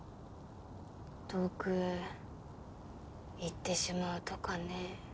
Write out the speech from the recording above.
遠くへ行ってしまうとかね？